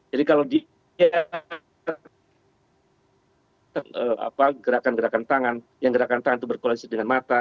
jadi kalau gerakan gerakan tangan yang gerakan tangan itu berkoneksi dengan mata